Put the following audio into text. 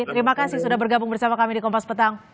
terima kasih sudah bergabung bersama kami di kompas petang